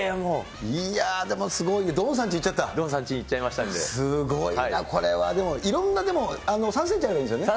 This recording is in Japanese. いーやー、でもすごい、ドンさんちに行っちゃいましすごいな、これは、でもいろんな、３センチあればいいんですよね？